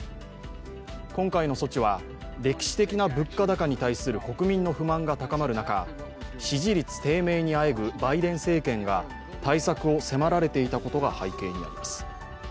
今回の措置は、歴史的な物価高に対する国民の不満が高まる中、支持率低迷にあえぐバイデン政権が対策を迫られていたことが背景にあります。